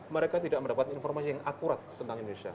mereka tidak mendapat informasi yang akurat tentang indonesia